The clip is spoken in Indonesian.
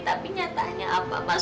tapi nyatanya apa mas